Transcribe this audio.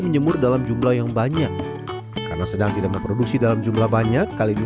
menyemur dalam jumlah yang banyak karena sedang tidak memproduksi dalam jumlah banyak kali ini